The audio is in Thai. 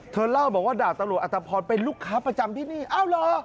เล่าบอกว่าดาบตำรวจอัตภพรเป็นลูกค้าประจำที่นี่อ้าวเหรอ